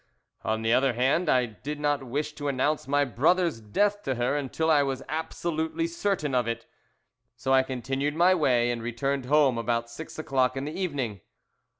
"On the other hand, I did not wish to announce my brother's death to her until I was absolutely certain of it. So I continued my way, and returned home about six o'clock in the evening.